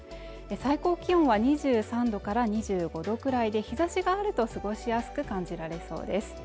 最高気温は２３度から２５度くらいで日差しがあると過ごしやすく感じられそうです